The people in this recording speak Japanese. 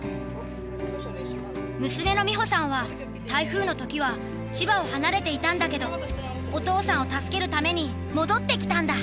娘の美歩さんは台風の時は千葉を離れていたんだけどお父さんを助けるために戻ってきたんだ。